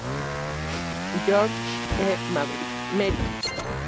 George E. Merrick